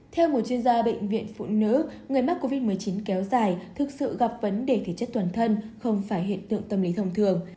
theo một chuyên gia bệnh viện phụ nữ người mắc covid một mươi chín kéo dài thực sự gặp vấn đề thể chất toàn thân không phải hiện tượng tâm lý thông thường